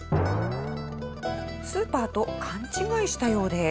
スーパーと勘違いしたようです。